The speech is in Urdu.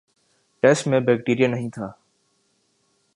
ٹیسٹ میں بیکٹیریا نہیں تھا